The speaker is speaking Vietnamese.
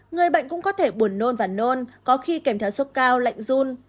người bệnh cũng có thể buồn nôn và nôn có khi kèm theo sốt cao lạnh run